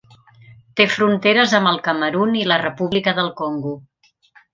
Té fronteres amb el Camerun i la República del Congo.